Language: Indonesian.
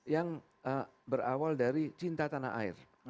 yang berawal dari cinta tanah air